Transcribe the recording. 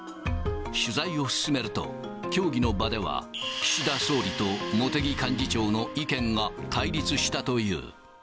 取材を進めると、協議の場では、岸田総理と茂木幹事長の意見が対立したという。